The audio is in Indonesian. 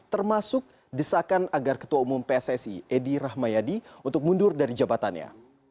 termasuk desakan agar ketua umum pssi edi rahmayadi untuk mundur dari jabatannya